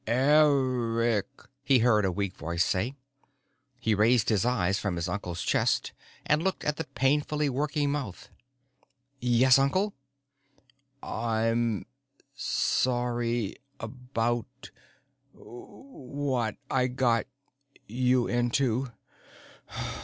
"Eric," he heard a weak voice say. He raised his eyes from his uncle's chest and looked at the painfully working mouth. "Yes, uncle?" "I'm sorry about what I got you into.